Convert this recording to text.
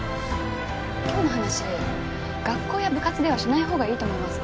今日の話学校や部活ではしないほうがいいと思います。